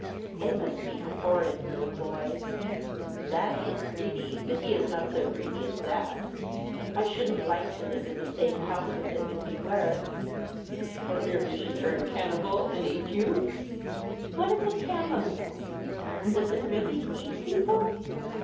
"They must be horrid little boys. Laddie is greedy, but he is not so greedy as that. I shouldn't like to live in the same house with him if he were." "For fear he should turn cannibal and eat you?" "What is a camomile, and does it really eat people?"